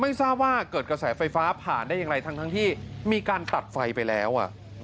ไม่ทราบว่าเกิดกระแสไฟฟ้าผ่านได้อย่างไรทั้งที่มีการตัดไฟไปแล้ว